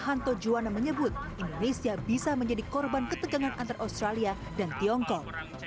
hanto juwana menyebut indonesia bisa menjadi korban ketegangan antara australia dan tiongkok